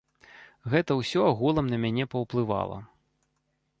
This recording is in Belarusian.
Гэта ўсё агулам на мяне паўплывала.